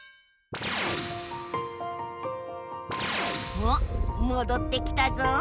おっもどってきたぞ。